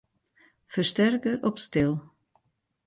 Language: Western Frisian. Fersterker op stil.